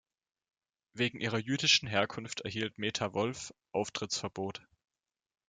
Wegen ihrer jüdischen Herkunft erhielt Meta Wolff Auftrittsverbot.